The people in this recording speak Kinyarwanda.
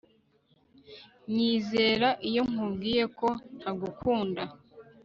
Nyizera iyo nkubwiye ko ntagukunda